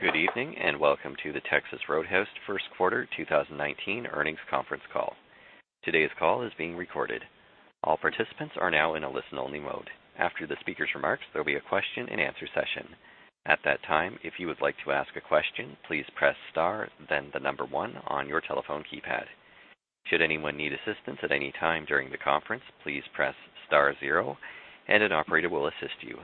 Good evening, welcome to the Texas Roadhouse first quarter 2019 earnings conference call. Today's call is being recorded. All participants are now in a listen-only mode. After the speaker's remarks, there'll be a question and answer session. At that time, if you would like to ask a question, please press star then the number one on your telephone keypad. Should anyone need assistance at any time during the conference, please press star zero and an operator will assist you.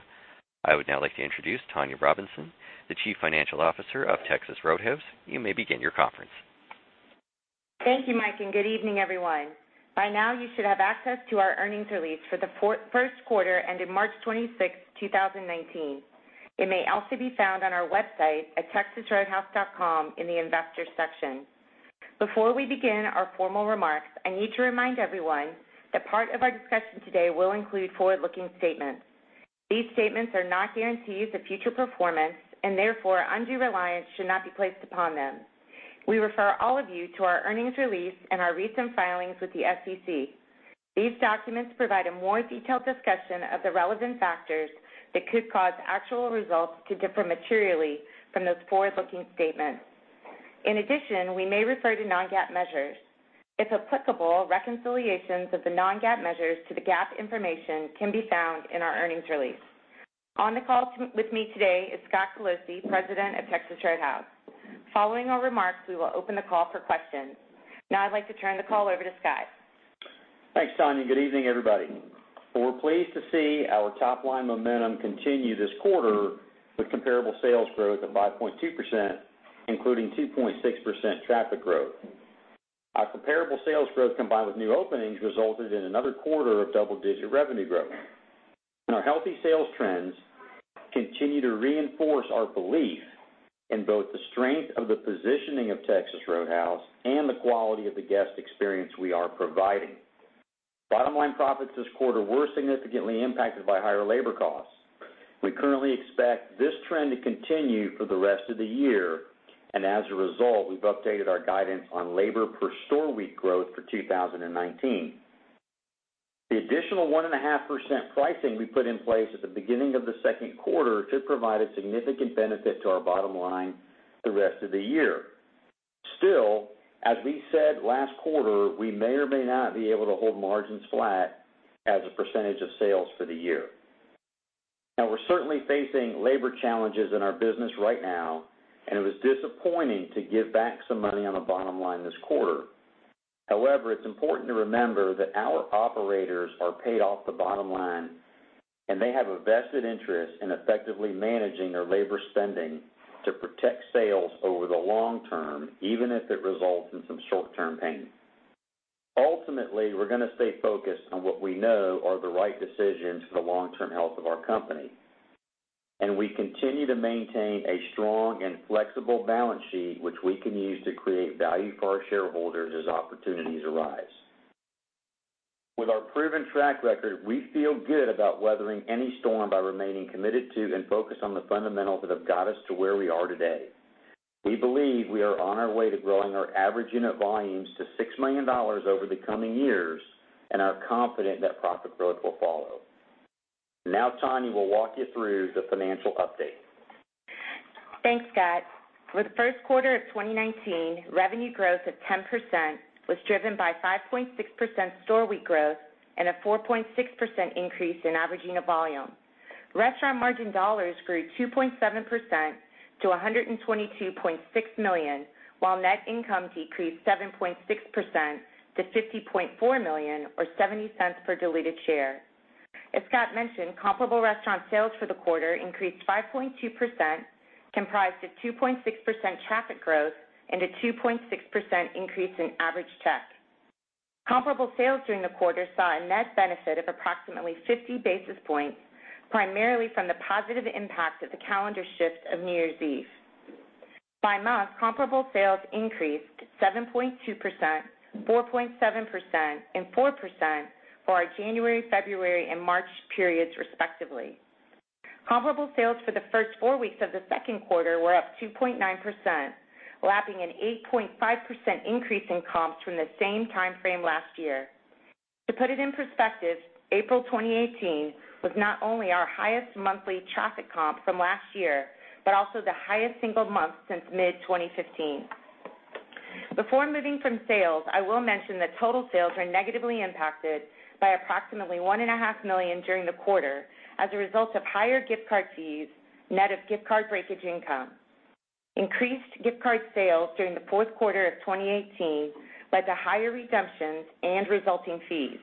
I would now like to introduce Tonya Robinson, the Chief Financial Officer of Texas Roadhouse. You may begin your conference. Thank you, Mike. Good evening, everyone. By now you should have access to our earnings release for the first quarter ending March 26th, 2019. It may also be found on our website at texasroadhouse.com in the Investors section. Before we begin our formal remarks, I need to remind everyone that part of our discussion today will include forward-looking statements. These statements are not guarantees of future performance, therefore undue reliance should not be placed upon them. We refer all of you to our earnings release and our recent filings with the SEC. These documents provide a more detailed discussion of the relevant factors that could cause actual results to differ materially from those forward-looking statements. In addition, we may refer to non-GAAP measures. If applicable, reconciliations of the non-GAAP measures to the GAAP information can be found in our earnings release. On the call with me today is Scott Colosi, President of Texas Roadhouse. Following our remarks, we will open the call for questions. Now I'd like to turn the call over to Scott. Thanks, Tonya. Good evening, everybody. We're pleased to see our top-line momentum continue this quarter with comparable sales growth of 5.2%, including 2.6% traffic growth. Our comparable sales growth combined with new openings resulted in another quarter of double-digit revenue growth. Our healthy sales trends continue to reinforce our belief in both the strength of the positioning of Texas Roadhouse and the quality of the guest experience we are providing. Bottom-line profits this quarter were significantly impacted by higher labor costs. We currently expect this trend to continue for the rest of the year, as a result, we've updated our guidance on labor per store week growth for 2019. The additional 1.5% pricing we put in place at the beginning of the second quarter should provide a significant benefit to our bottom line the rest of the year. As we said last quarter, we may or may not be able to hold margins flat as a percentage of sales for the year. We're certainly facing labor challenges in our business right now, and it was disappointing to give back some money on the bottom line this quarter. It's important to remember that our operators are paid off the bottom line, and they have a vested interest in effectively managing their labor spending to protect sales over the long term, even if it results in some short-term pain. We're going to stay focused on what we know are the right decisions for the long-term health of our company, and we continue to maintain a strong and flexible balance sheet, which we can use to create value for our shareholders as opportunities arise. With our proven track record, we feel good about weathering any storm by remaining committed to and focused on the fundamentals that have got us to where we are today. We believe we are on our way to growing our average unit volumes to $6 million over the coming years and are confident that profit growth will follow. Tonya will walk you through the financial update. Thanks, Scott. For the first quarter of 2019, revenue growth of 10% was driven by 5.6% store week growth and a 4.6% increase in average unit volume. Restaurant margin dollars grew 2.7% to $122.6 million, while net income decreased 7.6% to $50.4 million or $0.70 per diluted share. As Scott mentioned, comparable restaurant sales for the quarter increased 5.2%, comprised of 2.6% traffic growth and a 2.6% increase in average check. Comparable sales during the quarter saw a net benefit of approximately 50 basis points, primarily from the positive impact of the calendar shift of New Year's Eve. By month, comparable sales increased 7.2%, 4.7%, and 4% for our January, February, and March periods respectively. Comparable sales for the first four weeks of the second quarter were up 2.9%, lapping an 8.5% increase in comps from the same time frame last year. To put it in perspective, April 2018 was not only our highest monthly traffic comp from last year, but also the highest single month since mid-2015. Moving from sales, I will mention that total sales were negatively impacted by approximately $1.5 million during the quarter as a result of higher gift card fees, net of gift card breakage income. Increased gift card sales during the fourth quarter of 2018 led to higher redemptions and resulting fees,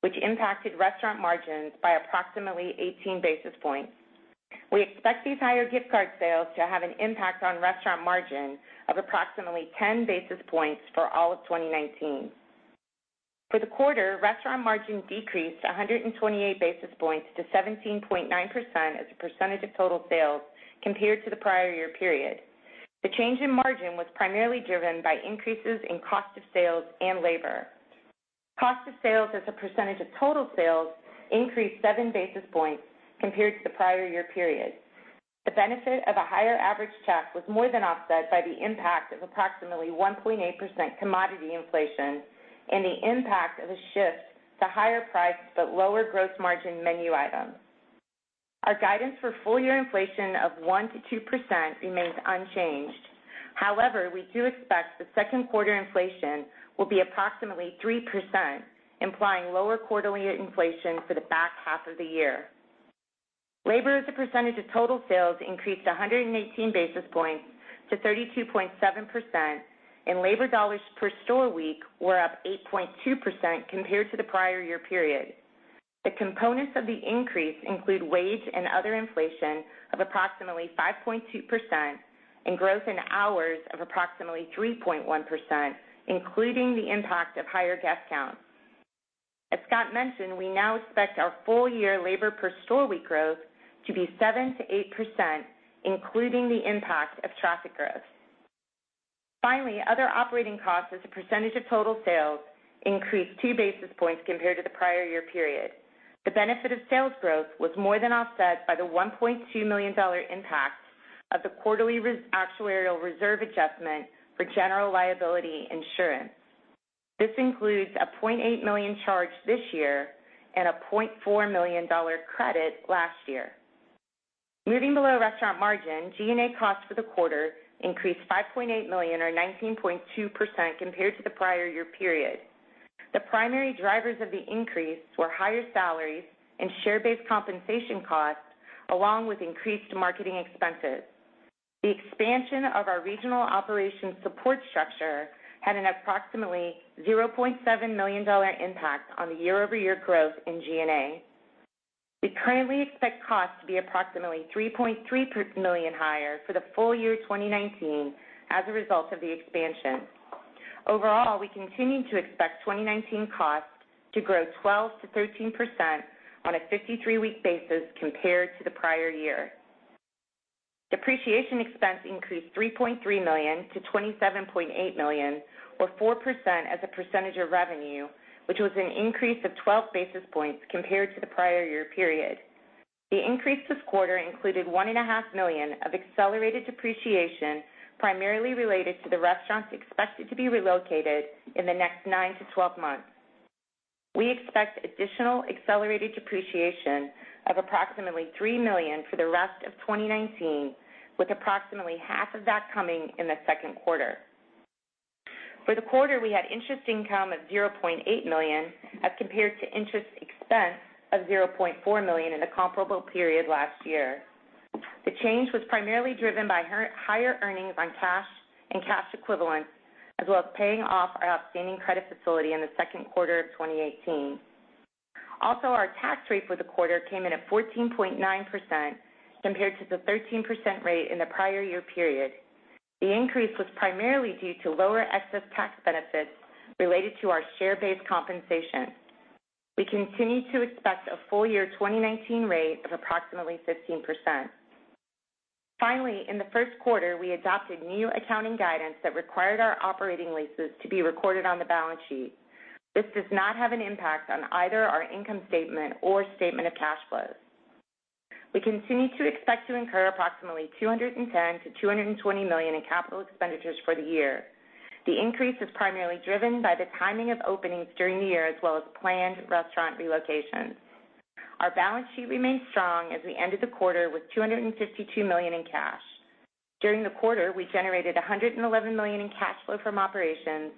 which impacted restaurant margins by approximately 18 basis points. We expect these higher gift card sales to have an impact on restaurant margin of approximately 10 basis points for all of 2019. For the quarter, restaurant margin decreased 128 basis points to 17.9% as a percentage of total sales compared to the prior year period. The change in margin was primarily driven by increases in cost of sales and labor. Cost of sales as a percentage of total sales increased 7 basis points compared to the prior year period. The benefit of a higher average check was more than offset by the impact of approximately 1.8% commodity inflation and the impact of a shift to higher price but lower gross margin menu items. Our guidance for full-year inflation of 1%-2% remains unchanged. However, we do expect that second quarter inflation will be approximately 3%, implying lower quarterly inflation for the back half of the year. Labor as a percentage of total sales increased 118 basis points to 32.7%, and labor dollars per store week were up 8.2% compared to the prior year period. The components of the increase include wage and other inflation of approximately 5.2%, and growth in hours of approximately 3.1%, including the impact of higher guest counts. As Scott mentioned, we now expect our full-year labor per store week growth to be 7%-8%, including the impact of traffic growth. Finally, other operating costs as a percentage of total sales increased 2 basis points compared to the prior year period. The benefit of sales growth was more than offset by the $1.2 million impact of the quarterly actuarial reserve adjustment for general liability insurance. This includes a $0.8 million charge this year and a $0.4 million credit last year. Moving below restaurant margin, G&A costs for the quarter increased $5.8 million or 19.2% compared to the prior year period. The primary drivers of the increase were higher salaries and share-based compensation costs along with increased marketing expenses. The expansion of our regional operations support structure had an approximately $0.7 million impact on the year-over-year growth in G&A. We currently expect costs to be approximately $3.3 million higher for the full year 2019 as a result of the expansion. Overall, we continue to expect 2019 costs to grow 12%-13% on a 53-week basis compared to the prior year. Depreciation expense increased $3.3 million to $27.8 million or 4% as a percentage of revenue, which was an increase of 12 basis points compared to the prior year period. The increase this quarter included $1.5 million of accelerated depreciation, primarily related to the restaurants expected to be relocated in the next 9-12 months. We expect additional accelerated depreciation of approximately $3 million for the rest of 2019, with approximately half of that coming in the second quarter. For the quarter, we had interest income of $0.8 million as compared to interest expense of $0.4 million in the comparable period last year. The change was primarily driven by higher earnings on cash and cash equivalents, as well as paying off our outstanding credit facility in the second quarter of 2018. Also, our tax rate for the quarter came in at 14.9% compared to the 13% rate in the prior year period. The increase was primarily due to lower excess tax benefits related to our share-based compensation. We continue to expect a full year 2019 rate of approximately 15%. Finally, in the first quarter, we adopted new accounting guidance that required our operating leases to be recorded on the balance sheet. This does not have an impact on either our income statement or statement of cash flows. We continue to expect to incur approximately $210 million-$220 million in capital expenditures for the year. The increase is primarily driven by the timing of openings during the year as well as planned restaurant relocations. Our balance sheet remains strong as we end the quarter with $252 million in cash. During the quarter, we generated $111 million in cash flow from operations,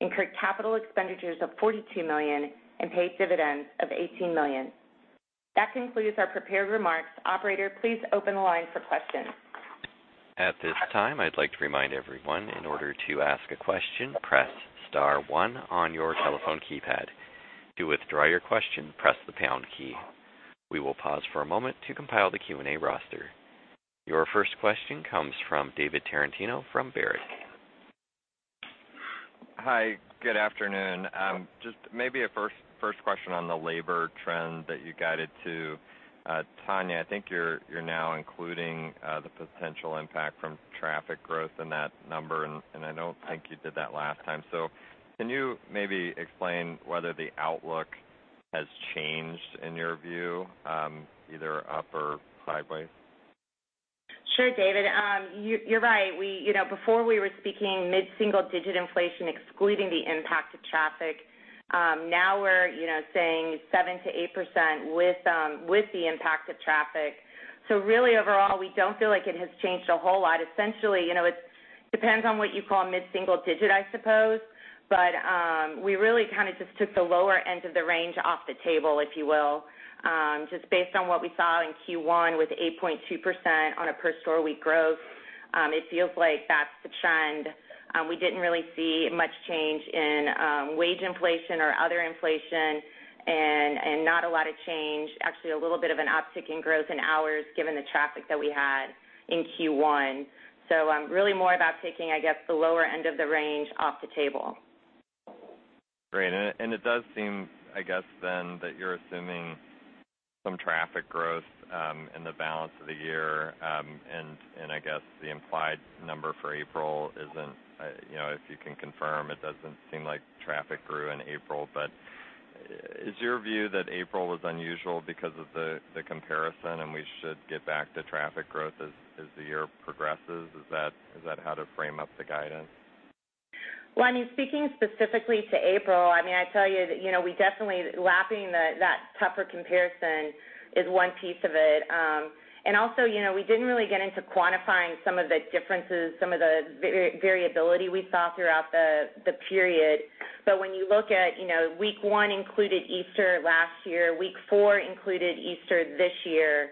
incurred capital expenditures of $42 million, and paid dividends of $18 million. That concludes our prepared remarks. Operator, please open the line for questions. At this time, I'd like to remind everyone, in order to ask a question, press *1 on your telephone keypad. To withdraw your question, press the # key. We will pause for a moment to compile the Q&A roster. Your first question comes from David Tarantino from Baird. Hi. Good afternoon. Just maybe a first question on the labor trend that you guided to. Tonya, I think you're now including the potential impact from traffic growth in that number, and I don't think you did that last time. Can you maybe explain whether the outlook has changed in your view, either up or sideways? Sure, David. You're right. Before, we were speaking mid-single digit inflation excluding the impact of traffic. Now we're saying 7%-8% with the impact of traffic. Really overall, we don't feel like it has changed a whole lot. Essentially, it depends on what you call mid-single digit, I suppose. We really just took the lower end of the range off the table, if you will. Just based on what we saw in Q1 with 8.2% on a per store week growth, it feels like that's the trend. We didn't really see much change in wage inflation or other inflation, and not a lot of change, actually a little bit of an uptick in growth in hours given the traffic that we had in Q1. Really more about taking, I guess, the lower end of the range off the table. It does seem, I guess, that you're assuming some traffic growth in the balance of the year, and I guess the implied number for April isn't. If you can confirm, it doesn't seem like traffic grew in April. Is your view that April was unusual because of the comparison, and we should get back to traffic growth as the year progresses? Is that how to frame up the guidance? Well, speaking specifically to April, I tell you that we definitely lapping that tougher comparison is one piece of it. Also, we didn't really get into quantifying some of the differences, some of the variability we saw throughout the period. When you look at week one included Easter last year, week four included Easter this year,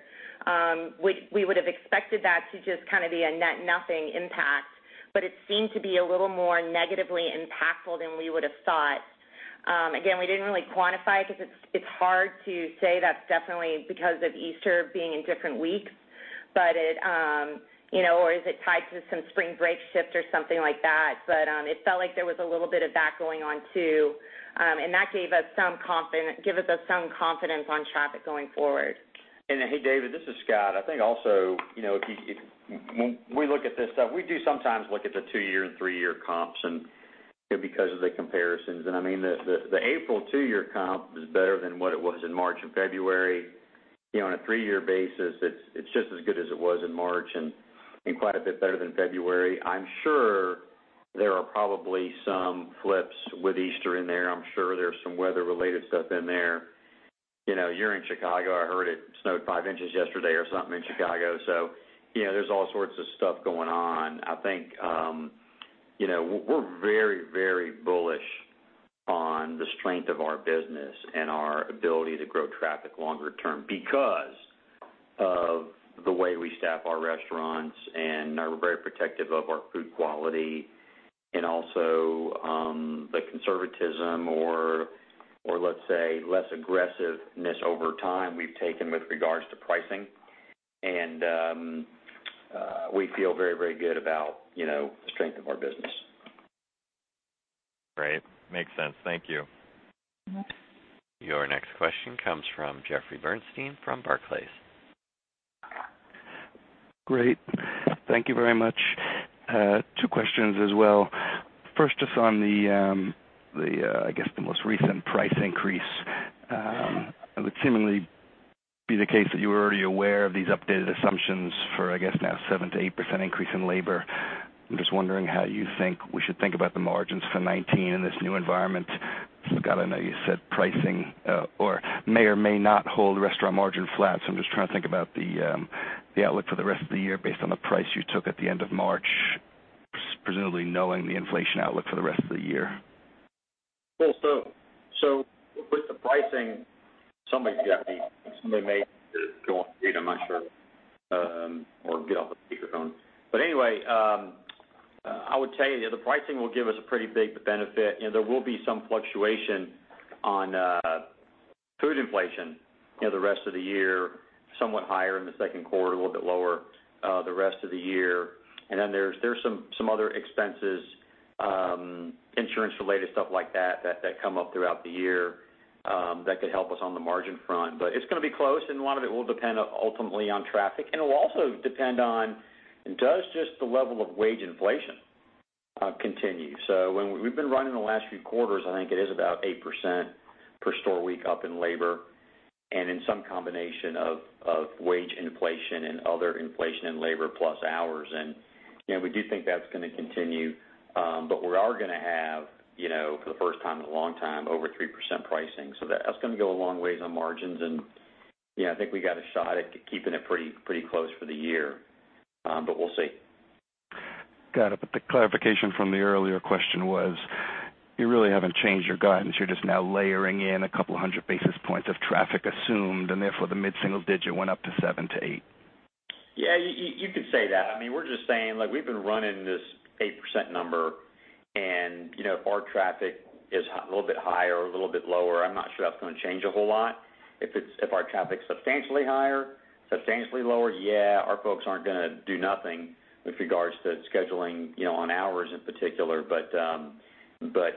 we would have expected that to just be a net nothing impact, but it seemed to be a little more negatively impactful than we would have thought. Again, we didn't really quantify it because it's hard to say that's definitely because of Easter being in different weeks, or is it tied to some spring break shift or something like that. It felt like there was a little bit of that going on, too. That gave us some confidence on traffic going forward. Hey, David, this is Scott. I think also, when we look at this stuff, we do sometimes look at the two-year and three-year comps and because of the comparisons. The April two-year comp is better than what it was in March and February. On a three-year basis, it's just as good as it was in March and quite a bit better than February. I'm sure there are probably some flips with Easter in there. I'm sure there's some weather related stuff in there. You're in Chicago. I heard it snowed five inches yesterday or something in Chicago. There's all sorts of stuff going on. I think we're very bullish on the strength of our business and our ability to grow traffic longer term because of the way we staff our restaurants and are very protective of our food quality and also, the conservatism or let's say, less aggressiveness over time we've taken with regards to pricing. We feel very good about the strength of our business. Great. Makes sense. Thank you. Your next question comes from Jeffrey Bernstein from Barclays. Great. Thank you very much. 2 questions as well. First, just on the, I guess the most recent price increase. It would seemingly be the case that you were already aware of these updated assumptions for, I guess now 7%-8% increase in labor. I'm just wondering how you think we should think about the margins for 2019 in this new environment. Scott, I know you said pricing or may or may not hold restaurant margin flat, so I'm just trying to think about the outlook for the rest of the year based on the price you took at the end of March, presumably knowing the inflation outlook for the rest of the year. With the pricing, somebody's got me. Somebody may go on mute, I'm not sure or get off the speakerphone. I would tell you, the pricing will give us a pretty big benefit. There will be some fluctuation on food inflation the rest of the year, somewhat higher in the second quarter, a little bit lower the rest of the year. There's some other expenses, insurance related stuff like that come up throughout the year that could help us on the margin front. It's going to be close, and a lot of it will depend ultimately on traffic, and it will also depend on, does just the level of wage inflation continue. When we've been running the last few quarters, I think it is about 8% per store week up in labor and in some combination of wage inflation and other inflation in labor plus hours. We do think that's going to continue. We are going to have, for the first time in a long time, over 3% pricing. That's going to go a long ways on margins. I think we got a shot at keeping it pretty close for the year. We'll see. Got it. The clarification from the earlier question was, you really haven't changed your guidance. You're just now layering in a couple hundred basis points of traffic assumed, and therefore the mid-single digit went up to 7% to 8%. Yeah, you could say that. We're just saying, we've been running this 8% number, if our traffic is a little bit higher or a little bit lower, I'm not sure that's going to change a whole lot. If our traffic's substantially higher, substantially lower, yeah, our folks aren't going to do nothing with regards to scheduling, on hours in particular.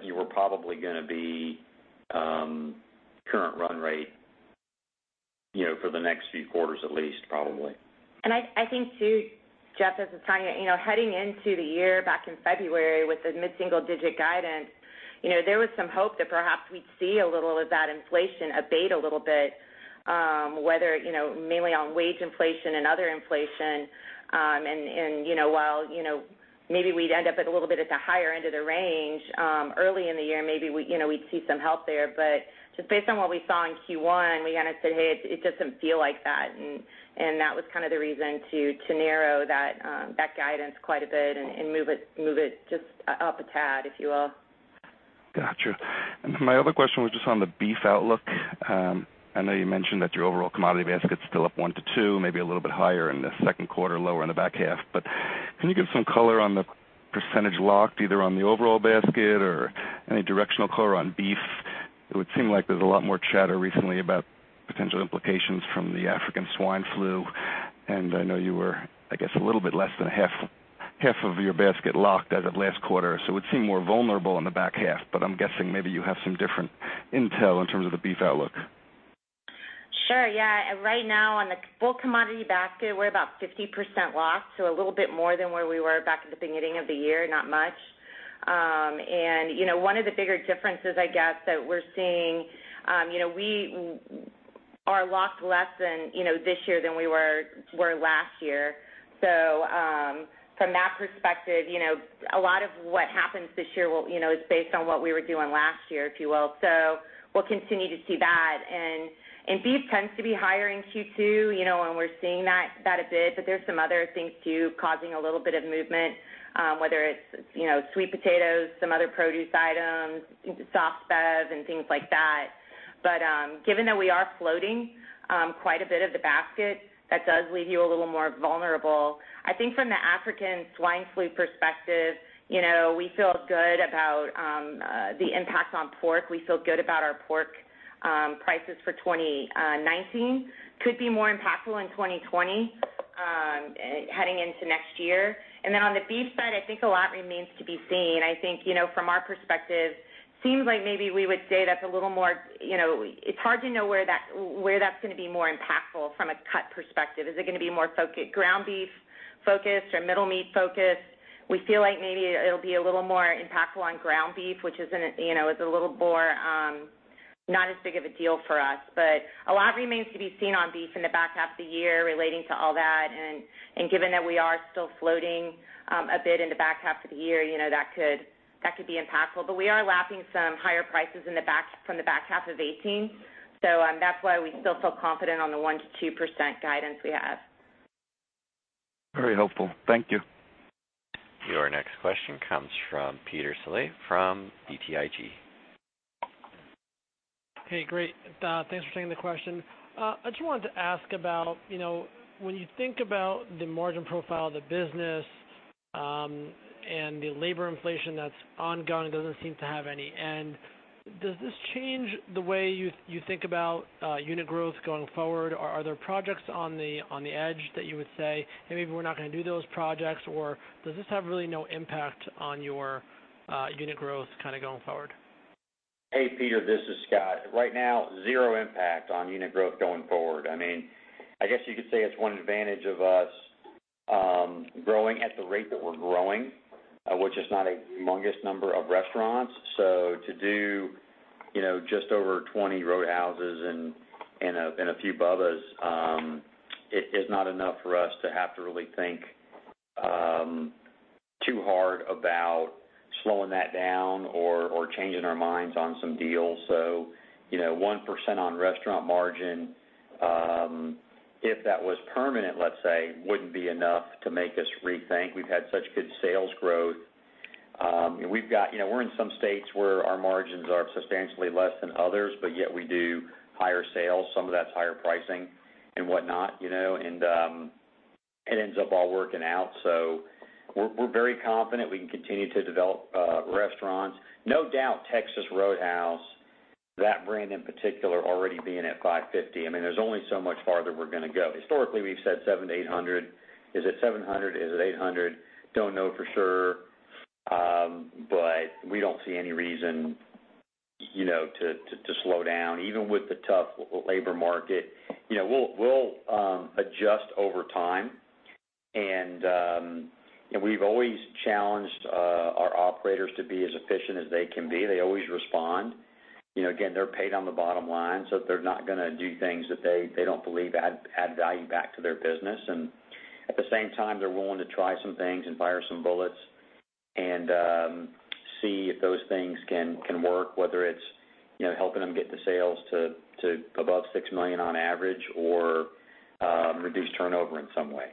You were probably going to be current run rate for the next few quarters, at least probably. I think too, Jeff, as a caveat, heading into the year back in February with the mid-single digit guidance, there was some hope that perhaps we'd see a little of that inflation abate a little bit whether, mainly on wage inflation and other inflation. While maybe we'd end up at a little bit at the higher end of the range early in the year, maybe we'd see some help there. Just based on what we saw in Q1, we said, "Hey, it doesn't feel like that." That was the reason to narrow that guidance quite a bit and move it just up a tad, if you will. Got you. My other question was just on the beef outlook. I know you mentioned that your overall commodity basket's still up 1%-2%, maybe a little bit higher in the second quarter, lower in the back half. Can you give some color on the percentage locked, either on the overall basket or any directional color on beef? It would seem like there's a lot more chatter recently about potential implications from the African swine fever, and I know you were, I guess, a little bit less than half of your basket locked as of last quarter. It seemed more vulnerable in the back half, but I'm guessing maybe you have some different intel in terms of the beef outlook. Sure, yeah. Right now on the full commodity basket, we're about 50% locked, a little bit more than where we were back at the beginning of the year, not much. One of the bigger differences, I guess, that we're seeing, we are a lot less than this year than we were last year. From that perspective, a lot of what happens this year is based on what we were doing last year, if you will. We'll continue to see that. Beef tends to be higher in Q2, and we're seeing that a bit, there's some other things too, causing a little bit of movement, whether it's sweet potatoes, some other produce items, soft bev, and things like that. Given that we are floating quite a bit of the basket, that does leave you a little more vulnerable. I think from the African swine fever perspective, we feel good about the impact on pork. We feel good about our pork prices for 2019. Could be more impactful in 2020, heading into next year. On the beef side, I think a lot remains to be seen. I think, from our perspective, seems like maybe we would say that's a little more. It's hard to know where that's going to be more impactful from a cut perspective. Is it going to be more ground beef focused or middle meat focused? We feel like maybe it'll be a little more impactful on ground beef, which is a little more, not as big of a deal for us. A lot remains to be seen on beef in the back half of the year relating to all that, given that we are still floating a bit in the back half of the year, that could be impactful. We are lapping some higher prices from the back half of 2018. That's why we still feel confident on the 1%-2% guidance we have. Very helpful. Thank you. Your next question comes from Peter Saleh from BTIG. Hey, great. Thanks for taking the question. I just wanted to ask about, when you think about the margin profile of the business, and the labor inflation that's ongoing, doesn't seem to have any end. Does this change the way you think about unit growth going forward? Are there projects on the edge that you would say, "Maybe we're not going to do those projects," or does this have really no impact on your unit growth going forward? Hey, Peter, this is Scott. Right now, zero impact on unit growth going forward. I guess you could say it's one advantage of us growing at the rate that we're growing, which is not a humongous number of restaurants. To do just over 20 Roadhouses and a few Bubba's, it is not enough for us to have to really think too hard about slowing that down or changing our minds on some deals. 1% on restaurant margin, if that was permanent, let's say, wouldn't be enough to make us rethink. We've had such good sales growth. We're in some states where our margins are substantially less than others, but yet we do higher sales. Some of that's higher pricing and whatnot. It ends up all working out. We're very confident we can continue to develop restaurants. No doubt Texas Roadhouse, that brand in particular, already being at 550. There's only so much farther we're going to go. Historically, we've said 700 to 800. Is it 700? Is it 800? Don't know for sure. We don't see any reason to slow down, even with the tough labor market. We'll adjust over time, and we've always challenged our operators to be as efficient as they can be. They always respond. Again, they're paid on the bottom line, so they're not going to do things that they don't believe add value back to their business. At the same time, they're willing to try some things and fire some bullets and see if those things can work, whether it's helping them get the sales to above $6 million on average or reduce turnover in some way.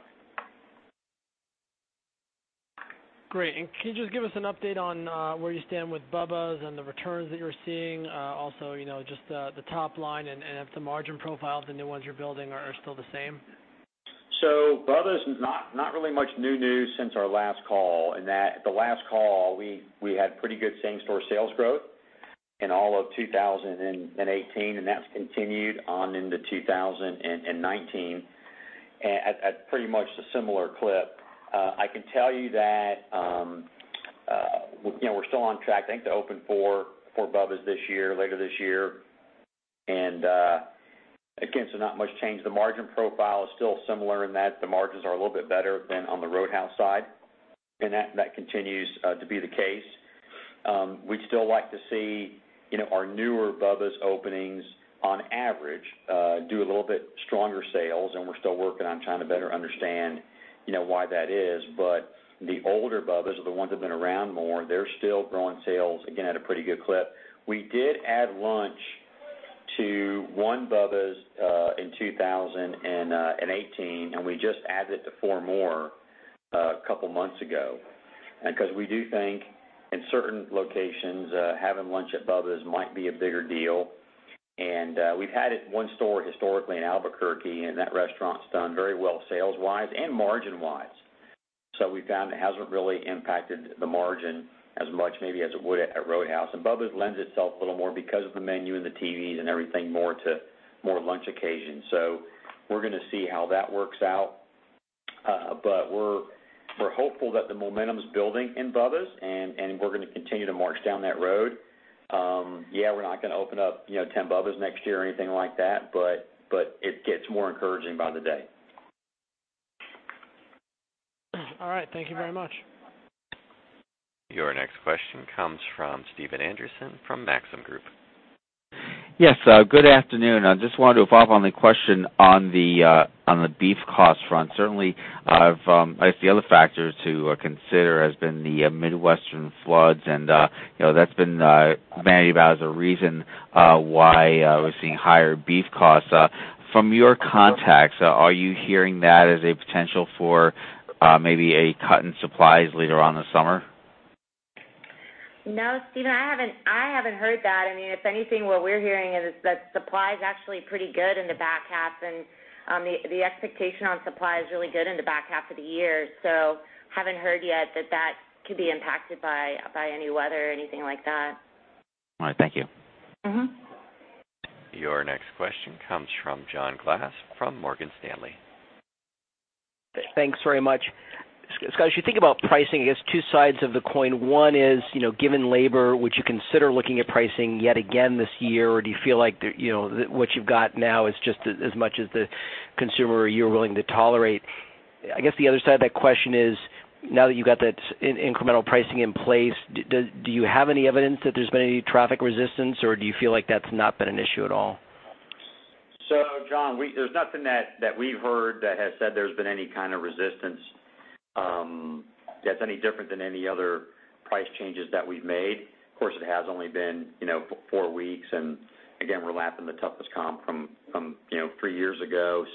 Great. Can you just give us an update on where you stand with Bubba's and the returns that you're seeing? Also, just the top line and if the margin profile of the new ones you're building are still the same? Bubba's, not really much new news since our last call, in that at the last call, we had pretty good same store sales growth in all of 2018, and that's continued on into 2019 at pretty much a similar clip. I can tell you that we're still on track. I think they open four Bubba's this year, later this year. Again, not much change. The margin profile is still similar in that the margins are a little bit better than on the Roadhouse side, and that continues to be the case. We'd still like to see our newer Bubba's openings, on average, do a little bit stronger sales, and we're still working on trying to better understand why that is. The older Bubba's are the ones that have been around more. They're still growing sales, again, at a pretty good clip. We did add lunch to one Bubba's in 2018, we just added it to four more a couple of months ago. We do think in certain locations, having lunch at Bubba's might be a bigger deal. We've had it at one store historically in Albuquerque, and that restaurant's done very well sales-wise and margin-wise. We found it hasn't really impacted the margin as much maybe as it would at Roadhouse. Bubba's lends itself a little more because of the menu and the TVs and everything more to more lunch occasions. We're going to see how that works out. We're hopeful that the momentum's building in Bubba's and we're going to continue to march down that road. Yeah, we're not going to open up 10 Bubba's next year or anything like that, but it gets more encouraging by the day. All right. Thank you very much. Your next question comes from Stephen Anderson from Maxim Group. Yes. Good afternoon. I just wanted to follow up on the question on the beef cost front. Certainly, I guess the other factor to consider has been the Midwestern floods, and that's been bandied about as a reason why we're seeing higher beef costs. From your contacts, are you hearing that as a potential for maybe a cut in supplies later on this summer? No, Stephen, I haven't heard that. If anything, what we're hearing is that supply is actually pretty good in the back half, and the expectation on supply is really good in the back half of the year. Haven't heard yet that that could be impacted by any weather or anything like that. All right. Thank you. Your next question comes from John Glass from Morgan Stanley. Thanks very much. Scott, as you think about pricing, I guess two sides of the coin. One is, given labor, would you consider looking at pricing yet again this year, or do you feel like what you've got now is just as much as the consumer or you are willing to tolerate? I guess the other side of that question is, now that you've got that incremental pricing in place, do you have any evidence that there's been any traffic resistance, or do you feel like that's not been an issue at all? John, there's nothing that we've heard that has said there's been any kind of resistance that's any different than any other price changes that we've made. Of course, it has only been four weeks, and again, we're lapping the toughest comp from three years ago.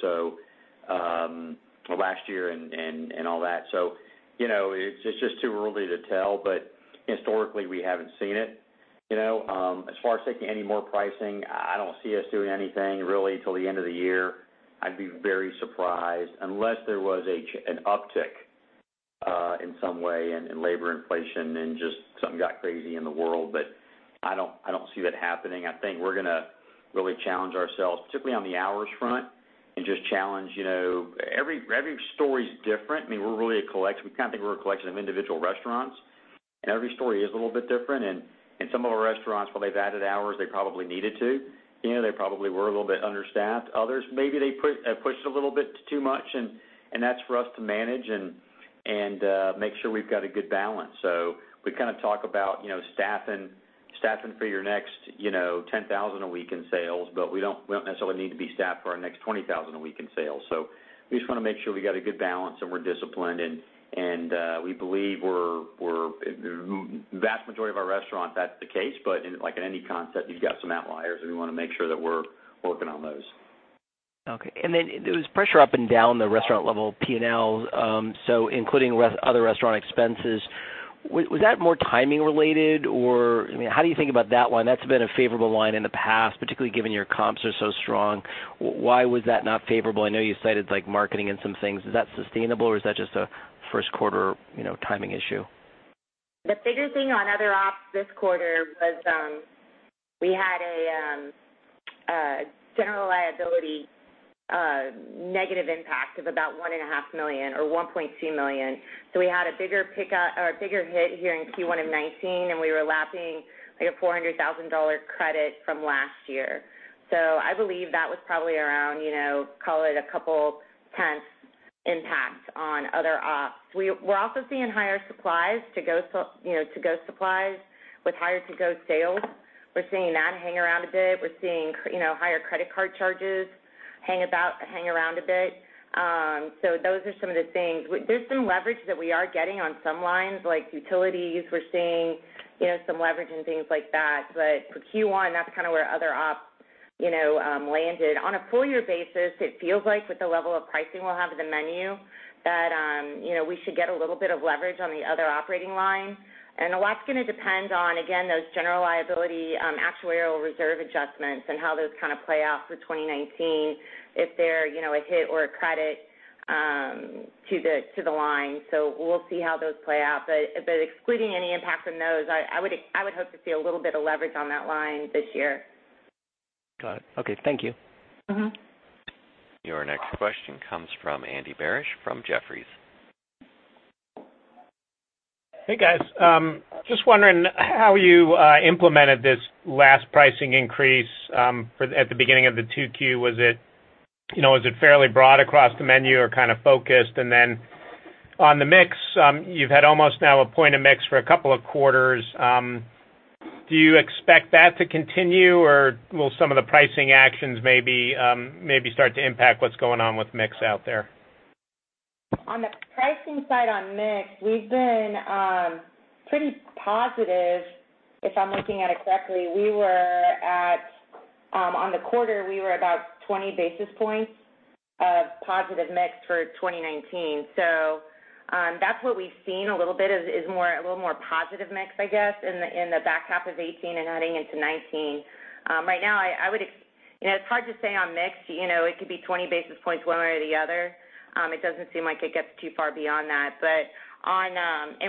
Last year and all that. It's just too early to tell, but historically, we haven't seen it. As far as taking any more pricing, I don't see us doing anything really till the end of the year. I'd be very surprised, unless there was an uptick in some way in labor inflation and just something got crazy in the world. I don't see that happening. I think we're going to really challenge ourselves, particularly on the hours front, and just challenge. Every story's different. We kind of think we're a collection of individual restaurants. Every story is a little bit different, and some of the restaurants, well, they've added hours, they probably needed to. They probably were a little bit understaffed. Others, maybe they pushed a little bit too much, and that's for us to manage and make sure we've got a good balance. We talk about staffing for your next 10,000 a week in sales, but we don't necessarily need to be staffed for our next 20,000 a week in sales. We just want to make sure we got a good balance and we're disciplined, and we believe vast majority of our restaurants, that's the case, but like in any concept, you've got some outliers, and we want to make sure that we're working on those. Okay. There was pressure up and down the restaurant level P&L. Including other restaurant expenses, was that more timing related, or how do you think about that one? That's been a favorable line in the past, particularly given your comps are so strong. Why was that not favorable? I know you cited marketing and some things. Is that sustainable or is that just a first quarter timing issue? The bigger thing on other ops this quarter was we had a general liability negative impact of about $1.5 million or $1.2 million. We had a bigger hit here in Q1 of 2019, and we were lapping a $400,000 credit from last year. I believe that was probably around, call it a couple tenths impact on other ops. We're also seeing higher supplies, to-go supplies with higher to-go sales. We're seeing that hang around a bit. We're seeing higher credit card charges hang around a bit. Those are some of the things. There's some leverage that we are getting on some lines, like utilities. We're seeing some leverage and things like that. For Q1, that's where other ops landed. On a full year basis, it feels like with the level of pricing we'll have in the menu, that we should get a little bit of leverage on the other operating line. A lot's going to depend on, again, those general liability actuarial reserve adjustments and how those play out for 2019, if they're a hit or a credit to the line. We'll see how those play out. Excluding any impact from those, I would hope to see a little bit of leverage on that line this year. Got it. Okay. Thank you. Your next question comes from Andy Barish from Jefferies. Hey, guys. Just wondering how you implemented this last pricing increase at the beginning of the 2Q. Was it fairly broad across the menu or focused? On the mix, you've had almost now a point of mix for a couple of quarters. Do you expect that to continue, or will some of the pricing actions maybe start to impact what's going on with mix out there? On the pricing side on mix, we've been pretty positive. If I'm looking at it correctly, on the quarter, we were about 20 basis points of positive mix for 2019. That's what we've seen a little bit, is a little more positive mix, I guess, in the back half of 2018 and heading into 2019. Right now, it's hard to say on mix. It could be 20 basis points one way or the other. It doesn't seem like it gets too far beyond that.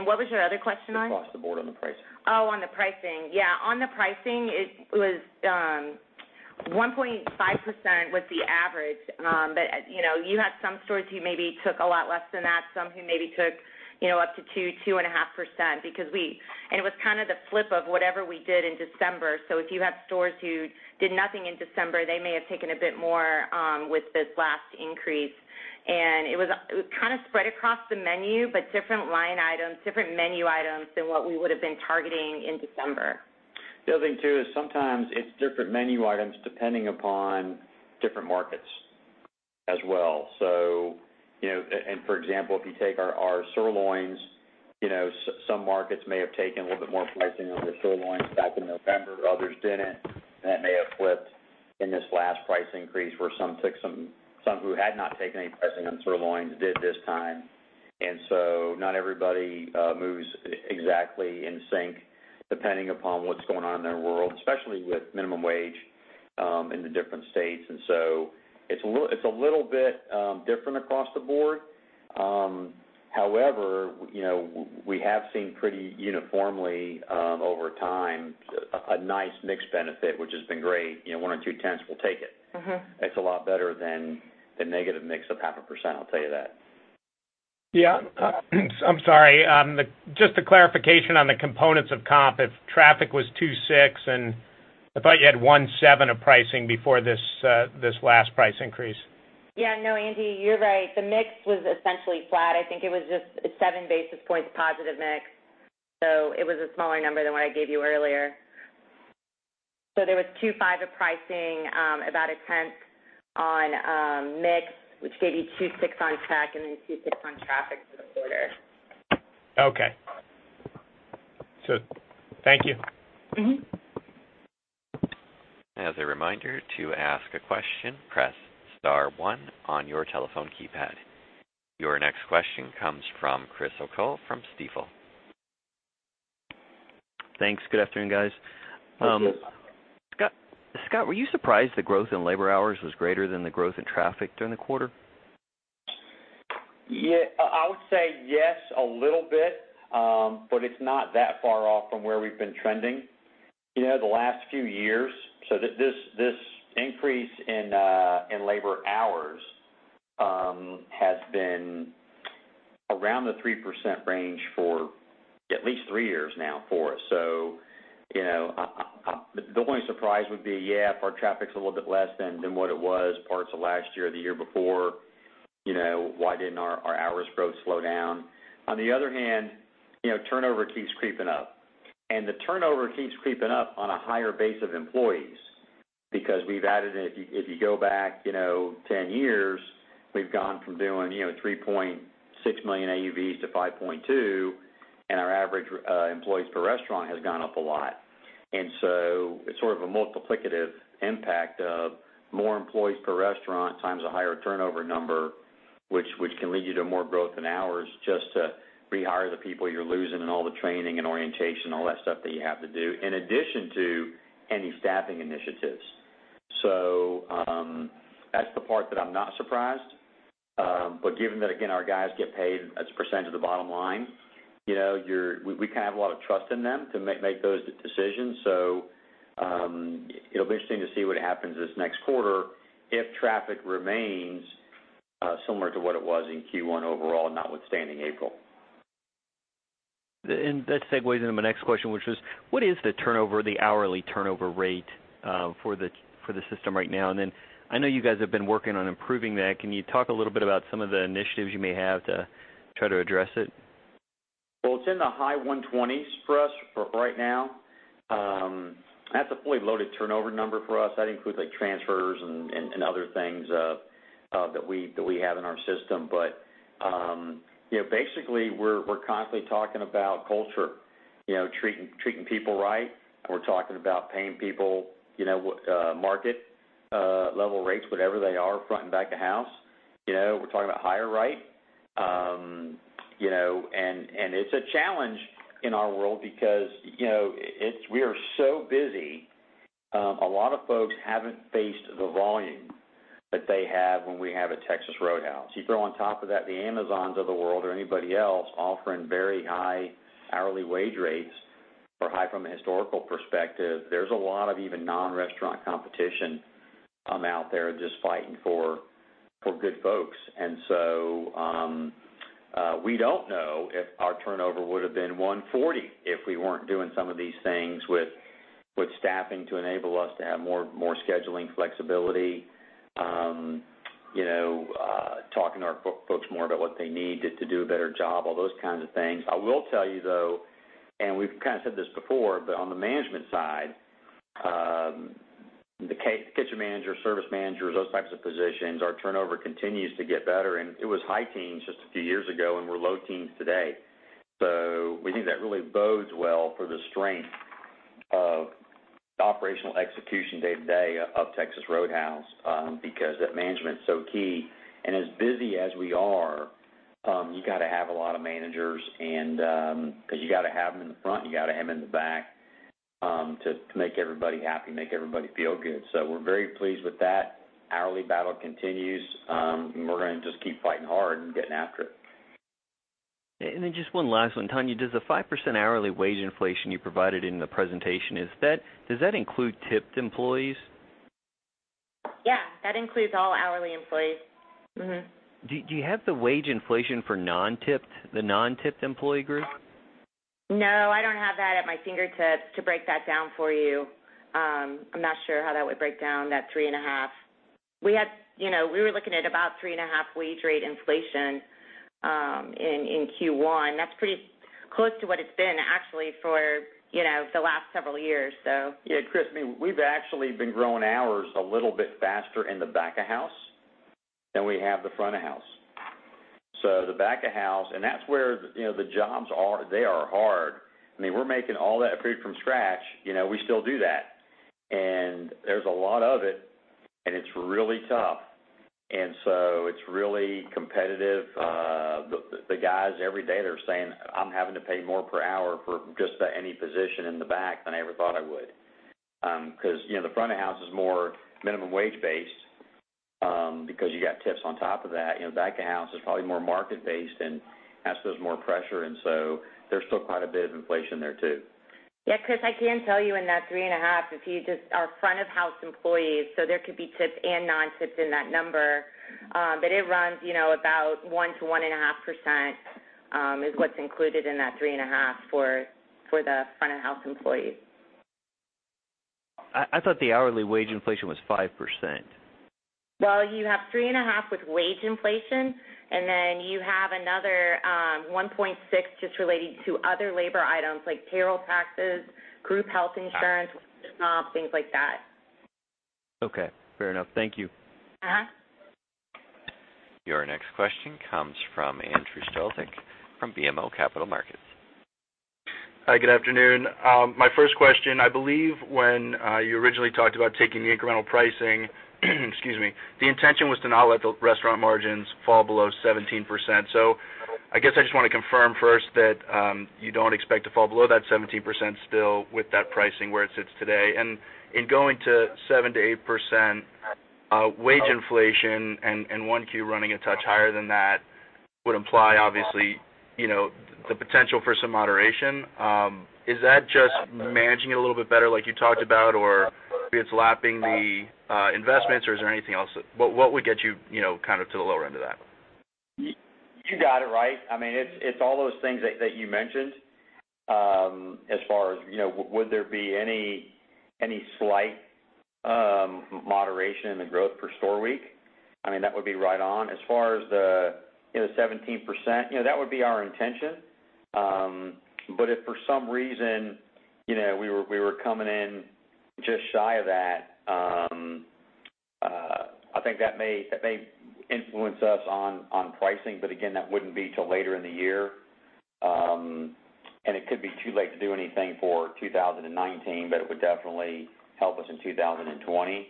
What was your other question on? Across the board on the pricing. On the pricing. Yeah. On the pricing, 1.5% was the average. You had some stores who maybe took a lot less than that, some who maybe took up to 2%, 2.5%. It was the flip of whatever we did in December. If you have stores who did nothing in December, they may have taken a bit more with this last increase. It was spread across the menu, but different line items, different menu items than what we would've been targeting in December. The other thing too is sometimes it's different menu items depending upon different markets as well. For example, if you take our sirloins, some markets may have taken a little bit more pricing on their sirloins back in November, others didn't. That may have flipped in this last price increase, where some who had not taken any pricing on sirloins did this time. Not everybody moves exactly in sync depending upon what's going on in their world, especially with minimum wage in the different states. It's a little bit different across the board. However, we have seen pretty uniformly over time, a nice mix benefit, which has been great. One or two tenths, we'll take it. It's a lot better than the negative mix of half a %, I'll tell you that. Yeah. I am sorry. Just a clarification on the components of comp. If traffic was 2.6, I thought you had 1.7 of pricing before this last price increase. Yeah. No, Andy, you are right. The mix was essentially flat. I think it was just a 7 basis points positive mix. It was a smaller number than what I gave you earlier. There was 2.5 of pricing, about a tenth on mix, which gave you 2.6 on check, then 2.6 on traffic for the quarter. Okay. Thank you. As a reminder, to ask a question, press *1 on your telephone keypad. Your next question comes from Chris O'Cull from Stifel. Thanks. Good afternoon, guys. Thank you. Scott, were you surprised the growth in labor hours was greater than the growth in traffic during the quarter? I would say yes, a little bit. It's not that far off from where we've been trending the last few years. This increase in labor hours has been around the 3% range for at least three years now for us. The only surprise would be, yeah, if our traffic's a little bit less than what it was parts of last year or the year before, why didn't our hours growth slow down? On the other hand, turnover keeps creeping up, and the turnover keeps creeping up on a higher base of employees because we've added, if you go back 10 years, we've gone from doing $3.6 million AUVs to $5.2 million, and our average employees per restaurant has gone up a lot. It's sort of a multiplicative impact of more employees per restaurant times a higher turnover number, which can lead you to more growth in hours just to rehire the people you're losing and all the training and orientation, all that stuff that you have to do, in addition to any staffing initiatives. That's the part that I'm not surprised. Given that, again, our guys get paid as a % of the bottom line, we kind of have a lot of trust in them to make those decisions. It'll be interesting to see what happens this next quarter if traffic remains similar to what it was in Q1 overall, notwithstanding April. That segues into my next question, which was, what is the hourly turnover rate for the system right now? I know you guys have been working on improving that. Can you talk a little bit about some of the initiatives you may have to try to address it? It's in the high 120s for us for right now. That's a fully loaded turnover number for us. That includes transfers and other things that we have in our system. Basically, we're constantly talking about culture, treating people right. We're talking about paying people market level rates, whatever they are, front and back of house. We're talking about hire right. It's a challenge in our world because we are so busy. A lot of folks haven't faced the volume that they have when we have a Texas Roadhouse. You throw on top of that the Amazons of the world or anybody else offering very high hourly wage rates, or high from a historical perspective. There's a lot of even non-restaurant competition out there just fighting for good folks. We don't know if our turnover would've been 140 if we weren't doing some of these things with staffing to enable us to have more scheduling flexibility. Talking to our folks more about what they need to do a better job, all those kinds of things. I will tell you, though, we've kind of said this before, on the management side, the kitchen managers, service managers, those types of positions, our turnover continues to get better. It was high teens just a few years ago, we're low teens today. We think that really bodes well for the strength of operational execution day-to-day of Texas Roadhouse, because that management's so key. As busy as we are, you got to have a lot of managers, because you got to have them in the front, and you got to have them in the back, to make everybody happy, make everybody feel good. We're very pleased with that. Hourly battle continues. We're going to just keep fighting hard and getting after it. Just one last one. Tonya, does the 5% hourly wage inflation you provided in the presentation, does that include tipped employees? Yeah, that includes all hourly employees. Do you have the wage inflation for the non-tipped employee group? No, I don't have that at my fingertips to break that down for you. I'm not sure how that would break down, that three and a half. We were looking at about three and a half wage rate inflation in Q1. That's pretty close to what it's been actually for the last several years. Yeah, Chris, we've actually been growing hours a little bit faster in the back of house than we have the front of house. The back of house, and that's where the jobs are. They are hard. We're making all that food from scratch. We still do that. There's a lot of it, and it's really tough. It's really competitive. The guys, every day, they're saying, "I'm having to pay more per hour for just any position in the back than I ever thought I would." Because the front of house is more minimum wage based, because you got tips on top of that. Back of house is probably more market based and has those more pressure. There's still quite a bit of inflation there too. Yeah, Chris, I can tell you in that three and a half, our front of house employees, so there could be tips and non-tips in that number. It runs about 1%-1.5%, is what's included in that three and a half for the front of house employees. I thought the hourly wage inflation was 5%. You have three and a half with wage inflation, and then you have another 1.6 just relating to other labor items like payroll taxes, group health insurance, workers' comp, things like that. Okay. Fair enough. Thank you. Your next question comes from Andrew Strelzik from BMO Capital Markets. Hi, good afternoon. My first question, I believe when you originally talked about taking the incremental pricing, excuse me, the intention was to not let the restaurant margins fall below 17%. I guess I just want to confirm first that you don't expect to fall below that 17% still with that pricing where it sits today. In going to 7%-8% wage inflation and 1Q running a touch higher than that would imply, obviously, the potential for some moderation. Is that just managing it a little bit better like you talked about? Or maybe it's lapping the investments, or is there anything else? What would get you to the lower end of that? You got it right. It's all those things that you mentioned. As far as would there be any slight moderation in the growth per store week, that would be right on. As far as the 17%, that would be our intention. If for some reason, we were coming in just shy of that, I think that may influence us on pricing. Again, that wouldn't be till later in the year. It could be too late to do anything for 2019, but it would definitely help us in 2020.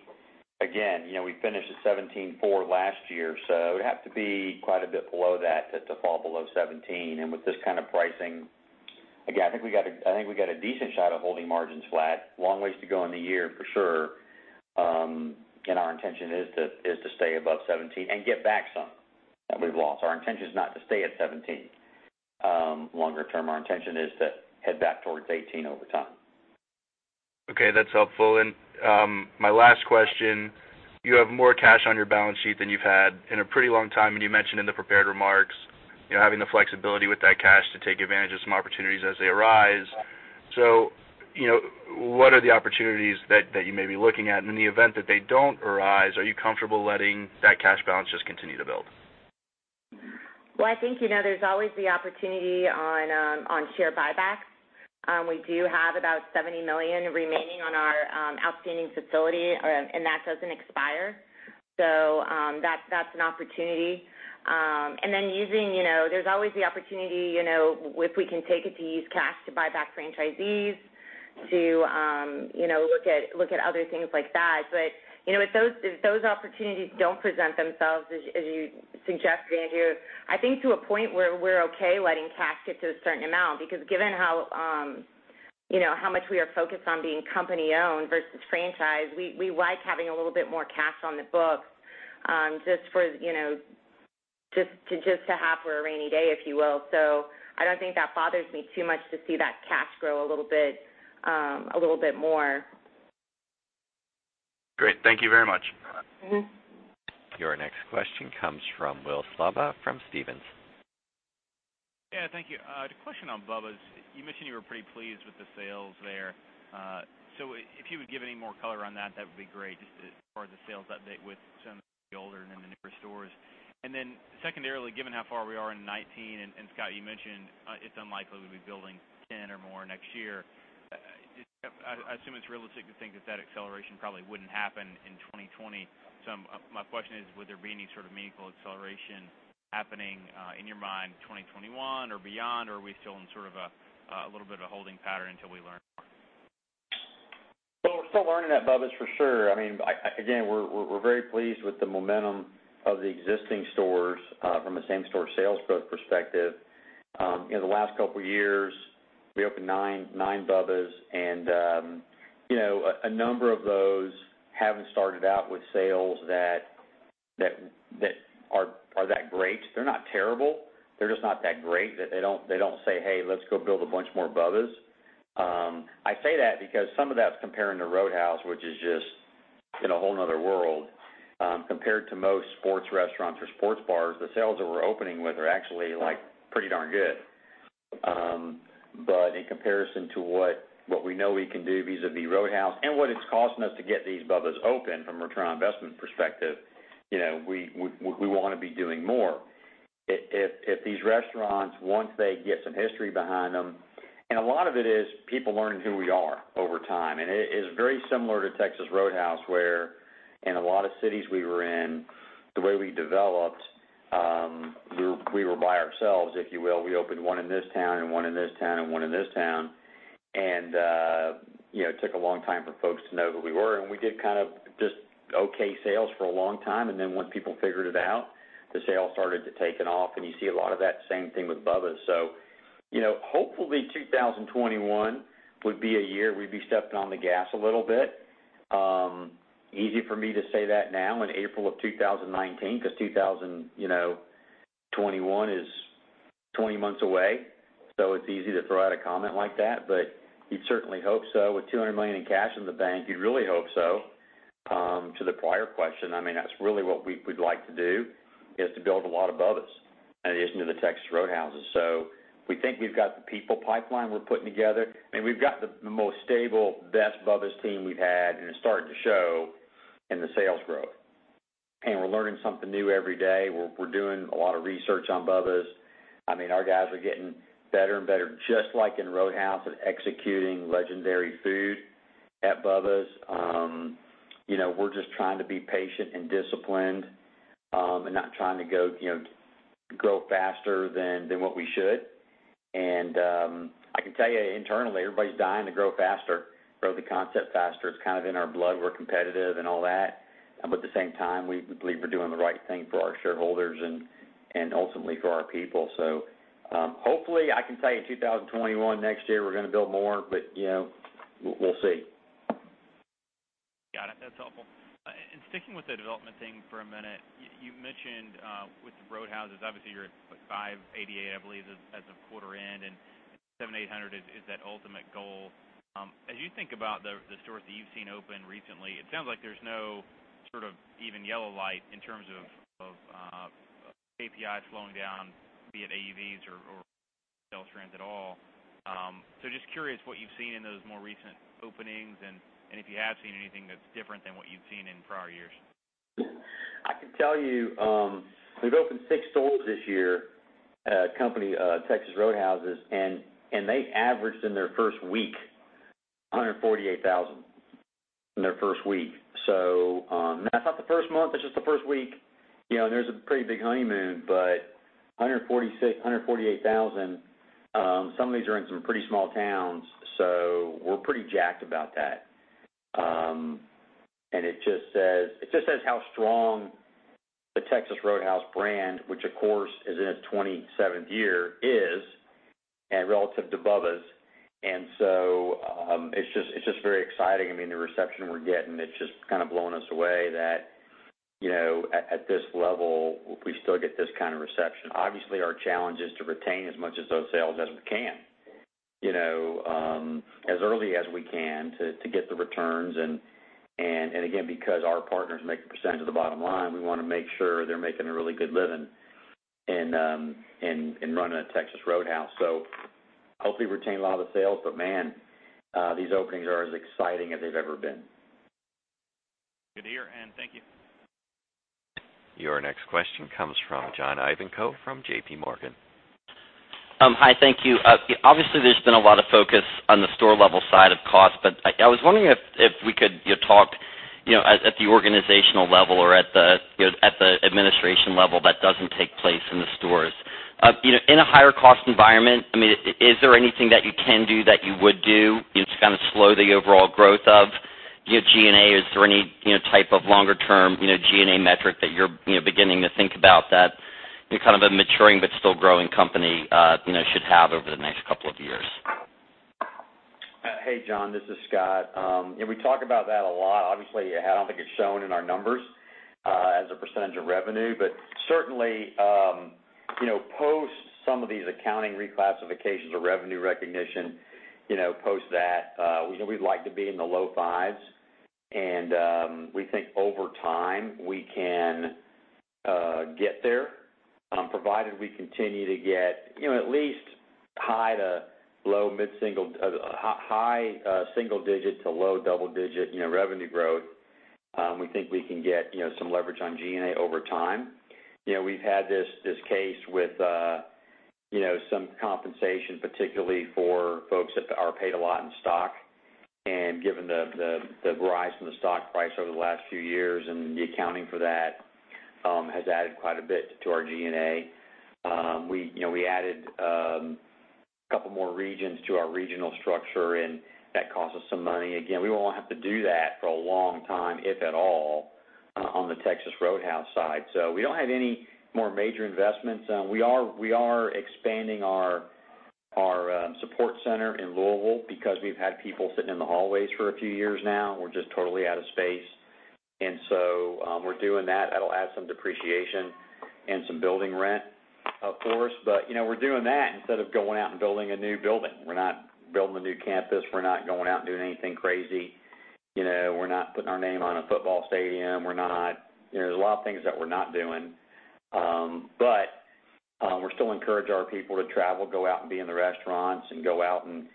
Again, we finished at 17.4 last year, so it would have to be quite a bit below that to fall below 17. With this kind of pricing, again, I think we got a decent shot of holding margins flat. Long ways to go in the year, for sure. Our intention is to stay above 17 and get back some that we've lost. Our intention is not to stay at 17. Longer term, our intention is to head back towards 18 over time. Okay, that's helpful. My last question, you have more cash on your balance sheet than you've had in a pretty long time, and you mentioned in the prepared remarks, having the flexibility with that cash to take advantage of some opportunities as they arise. What are the opportunities that you may be looking at? In the event that they don't arise, are you comfortable letting that cash balance just continue to build? Well, I think there's always the opportunity on share buybacks. We do have about $70 million remaining on our outstanding facility, and that doesn't expire. That's an opportunity. Then there's always the opportunity, if we can take it, to use cash to buy back franchisees to look at other things like that. If those opportunities don't present themselves as you suggest, Andrew, I think to a point where we're okay letting cash get to a certain amount, because given how much we are focused on being company-owned versus franchise, we like having a little bit more cash on the books just to have for a rainy day, if you will. I don't think that bothers me too much to see that cash grow a little bit more. Great. Thank you very much. Your next question comes from Will Slabaugh from Stephens. Yeah, thank you. A question on Bubba's. You mentioned you were pretty pleased with the sales there. If you would give any more color on that would be great, just as far as the sales update with some of the older and the newer stores. Secondarily, given how far we are in 2019, and Scott, you mentioned it's unlikely we'll be building 10 or more next year. I assume it's realistic to think that that acceleration probably wouldn't happen in 2020. My question is, would there be any sort of meaningful acceleration happening, in your mind, 2021 or beyond? Or are we still in sort of a little bit of a holding pattern until we learn more? We're still learning at Bubba's for sure. Again, we're very pleased with the momentum of the existing stores from a same store sales growth perspective. In the last couple of years, we opened nine Bubba's and a number of those haven't started out with sales that are that great. They're not terrible. They're just not that great that they don't say, "Hey, let's go build a bunch more Bubba's." I say that because some of that's comparing to Roadhouse, which is just in a whole another world. Compared to most sports restaurants or sports bars, the sales that we're opening with are actually pretty darn good. But in comparison to what we know we can do vis-a-vis Roadhouse and what it's costing us to get these Bubba's open from a return on investment perspective, we want to be doing more. If these restaurants, once they get some history behind them-- a lot of it is people learning who we are over time. It is very similar to Texas Roadhouse, where in a lot of cities we were in, the way we developed, we were by ourselves, if you will. We opened one in this town and one in this town and one in this town. It took a long time for folks to know who we were, and we did just okay sales for a long time, and then once people figured it out, the sales started to take off. You see a lot of that same thing with Bubba's. Hopefully 2021 would be a year we'd be stepping on the gas a little bit. Easy for me to say that now in April of 2019, because 2021 is 20 months away, it's easy to throw out a comment like that, but you'd certainly hope so. With $200 million in cash in the bank, you'd really hope so. To the prior question, that's really what we'd like to do, is to build a lot of Bubba's in addition to the Texas Roadhouses. We think we've got the people pipeline we're putting together, and we've got the most stable, best Bubba's team we've had, and it's starting to show in the sales growth. We're learning something new every day. We're doing a lot of research on Bubba's. Our guys are getting better and better, just like in Roadhouse, at executing legendary food at Bubba's. We're just trying to be patient and disciplined, and not trying to grow faster than what we should. I can tell you internally, everybody's dying to grow faster, grow the concept faster. It's kind of in our blood. We're competitive and all that. At the same time, we believe we're doing the right thing for our shareholders and ultimately for our people. Hopefully, I can tell you in 2021, next year, we're going to build more. We'll see. Got it. That's helpful. Sticking with the development thing for a minute, you mentioned with the Roadhouses, obviously you're at 588, I believe, as of quarter end, and 7,800 is that ultimate goal. As you think about the stores that you've seen open recently, it sounds like there's no even yellow light in terms of AUV slowing down, be it AUVs or sales trends at all. Just curious what you've seen in those more recent openings, and if you have seen anything that's different than what you've seen in prior years. I can tell you, we've opened six stores this year at company Texas Roadhouse, and they averaged in their first week, $148,000. In their first week. That's not the first month, that's just the first week. There's a pretty big honeymoon, but $148,000. Some of these are in some pretty small towns, so we're pretty jacked about that. It just says how strong the Texas Roadhouse brand, which of course is in its 27th year, is, and relative to Bubba's. It's just very exciting. The reception we're getting, it's just kind of blowing us away that at this level, we still get this kind of reception. Obviously, our challenge is to retain as much of those sales as we can, as early as we can to get the returns. Again, because our partners make a percentage of the bottom line, we want to make sure they're making a really good living in running a Texas Roadhouse. Hopefully retain a lot of the sales, but man, these openings are as exciting as they've ever been. Good to hear. Thank you. Your next question comes from John Ivankoe from J.P. Morgan. Hi, thank you. Obviously, there's been a lot of focus on the store level side of costs. I was wondering if we could talk at the organizational level or at the administration level that doesn't take place in the stores. In a higher cost environment, is there anything that you can do, that you would do to kind of slow the overall growth of your G&A? Is there any type of longer term G&A metric that you're beginning to think about that a maturing but still growing company should have over the next couple of years? Hey, John, this is Scott. We talk about that a lot. Obviously, I don't think it's shown in our numbers as a percentage of revenue. Certainly, post some of these accounting reclassifications or revenue recognition, post that, we'd like to be in the low fives. We think over time, we can get there, provided we continue to get at least high single digit to low double digit revenue growth. We think we can get some leverage on G&A over time. We've had this case with some compensation, particularly for folks that are paid a lot in stock. Given the rise in the stock price over the last few years and the accounting for that has added quite a bit to our G&A. We added a couple more regions to our regional structure, and that cost us some money. Again, we won't have to do that for a long time, if at all, on the Texas Roadhouse side. We don't have any more major investments. We are expanding our support center in Louisville because we've had people sitting in the hallways for a few years now. We're just totally out of space. We're doing that. That'll add some depreciation and some building rent, of course. We're doing that instead of going out and building a new building. We're not building a new campus. We're not going out and doing anything crazy. We're not putting our name on a football stadium. There's a lot of things that we're not doing. We still encourage our people to travel, go out and be in the restaurants, and go out and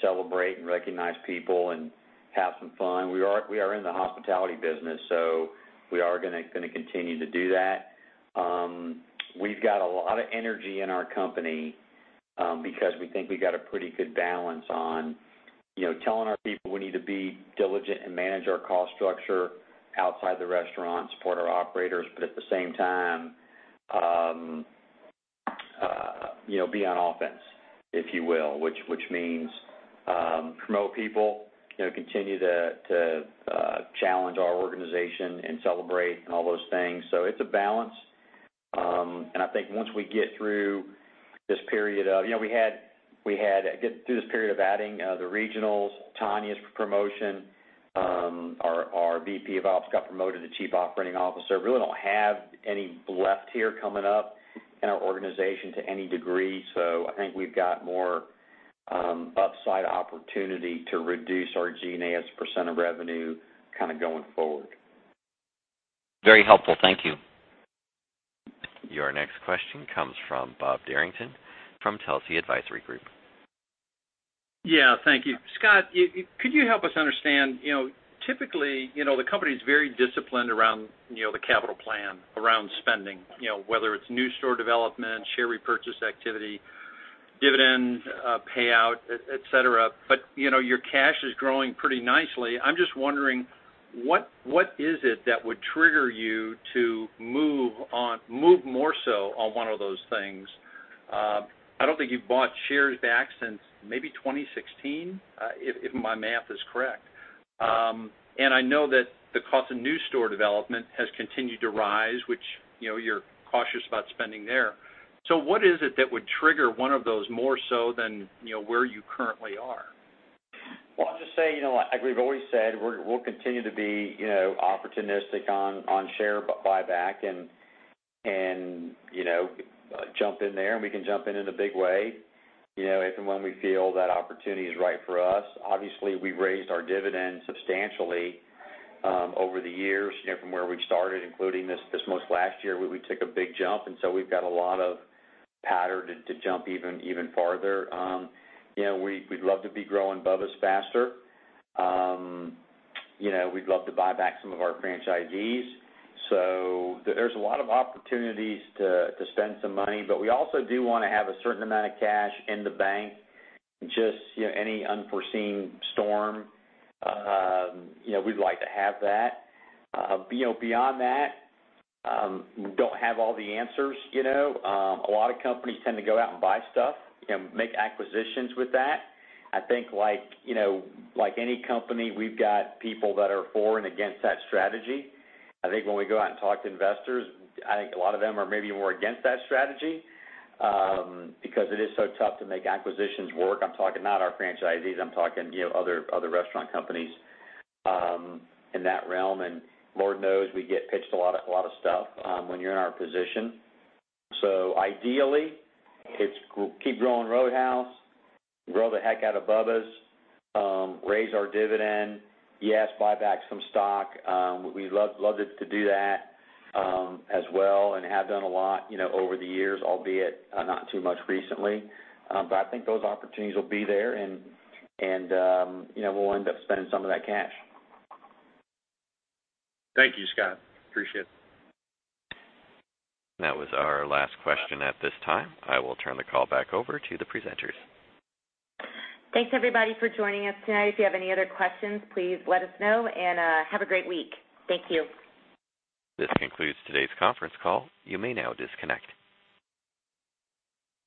celebrate and recognize people and have some fun. We are in the hospitality business. We are going to continue to do that. We've got a lot of energy in our company because we think we got a pretty good balance on telling our people we need to be diligent and manage our cost structure outside the restaurants, support our operators, but at the same time be on offense, if you will. Which means promote people, continue to challenge our organization, and celebrate, and all those things. It's a balance. I think once we get through this period of adding the regionals, Tonya's promotion, our VP of ops got promoted to chief operating officer. We really don't have any left here coming up in our organization to any degree. I think we've got more upside opportunity to reduce our G&A as a % of revenue going forward. Very helpful. Thank you. Your next question comes from Bob Derrington from Telsey Advisory Group. Thank you. Scott, could you help us understand, typically, the company's very disciplined around the capital plan, around spending. Whether it's new store development, share repurchase activity, dividends, payout, et cetera. Your cash is growing pretty nicely. I'm just wondering, what is it that would trigger you to move more so on one of those things? I don't think you've bought shares back since maybe 2016, if my math is correct. I know that the cost of new store development has continued to rise, which you're cautious about spending there. What is it that would trigger one of those more so than where you currently are? I'll just say, like we've always said, we'll continue to be opportunistic on share buyback and jump in there, and we can jump in in a big way if and when we feel that opportunity is right for us. Obviously, we've raised our dividend substantially over the years from where we started, including this most last year, we took a big jump. We've got a lot of pattern to jump even farther. We'd love to be growing Bubba's faster. We'd love to buy back some of our franchisees. There's a lot of opportunities to spend some money. We also do want to have a certain amount of cash in the bank, just any unforeseen storm. We'd like to have that. Beyond that, don't have all the answers. A lot of companies tend to go out and buy stuff, make acquisitions with that. I think like any company, we've got people that are for and against that strategy. I think when we go out and talk to investors, I think a lot of them are maybe more against that strategy because it is so tough to make acquisitions work. I'm talking not our franchisees, I'm talking other restaurant companies in that realm. Lord knows we get pitched a lot of stuff when you're in our position. Ideally, it's keep growing Roadhouse, grow the heck out of Bubba's. Raise our dividend. Yes, buy back some stock. We loved to do that as well and have done a lot over the years, albeit not too much recently. I think those opportunities will be there and we'll end up spending some of that cash. Thank you, Scott. Appreciate it. That was our last question at this time. I will turn the call back over to the presenters. Thanks everybody for joining us tonight. If you have any other questions, please let us know. Have a great week. Thank you. This concludes today's conference call. You may now disconnect.